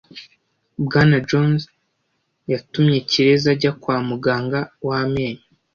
Bwana Jones yatumye Kirezi ajya kwa muganga w’amenyo.